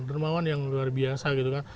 dermawan yang luar biasa gitu kan